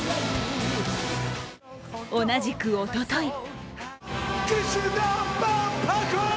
同じく、おととい。